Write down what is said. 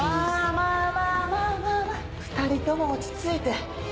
まぁまぁ２人とも落ち着いて。